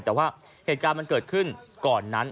แต่ว่าเหตุการณ์มันเกิดขึ้นก่อนนั้น